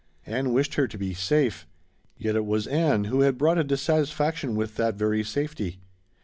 Ann wished her to be 'safe'; yet it was Ann who had brought a dissatisfaction with that very safety.